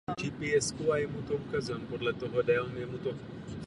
V dole a na jeho povrchu zůstala některá technologická zařízení.